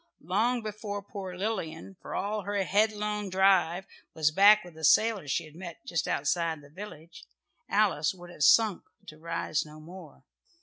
Long before poor Lilian, for all her headlong drive, was back with a sailor she had met just outside the village, Alice would have sunk to rise no more.